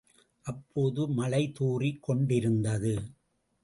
அப்போது, மழை துாறிக் கொண்டிருந்தது.